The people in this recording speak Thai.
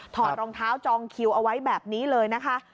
รองเท้าจองคิวเอาไว้แบบนี้เลยนะคะ